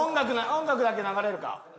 音楽だけ流れるか？